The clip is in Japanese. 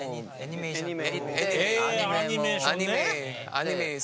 アニメも。